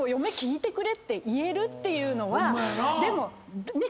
っていうのはでも。